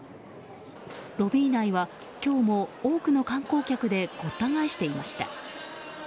ロビー内は、今日も多くの観光客でごった返していました。